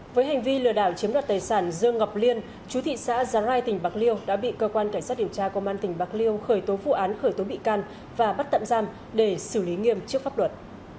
với hành vi lừa đảo chiếm đoạt tài sản dương ngọc liên chú thị xã giáng rai tỉnh bạc liêu đã bị cơ quan cảnh sát điều tra công an tỉnh bạc liêu khởi tố vụ án khởi tố bị can và bắt tạm giam để xử lý nghiêm trước pháp luật